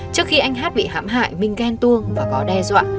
trước khi anh hát bị hãm hại minh ghen tuông và có đe dọa